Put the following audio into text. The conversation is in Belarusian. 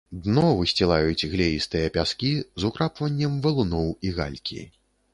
Дно высцілаюць глеістыя пяскі з украпваннем валуноў і галькі.